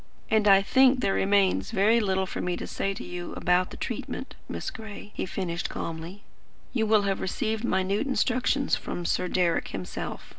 "And I think there remains very little for me to say to you about the treatment, Miss Gray," he finished calmly. "You will have received minute instructions from Sir Deryck himself.